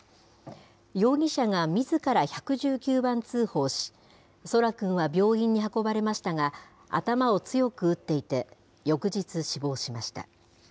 容疑者がみずから１１９番通報し、空来くんは病院に運ばれましたが、頭を強く打っていて、翌日、死亡しました。